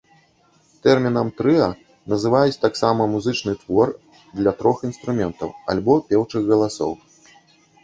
Тэрмінам трыа называюць таксама музычны твор для трох інструментаў альбо пеўчых галасоў.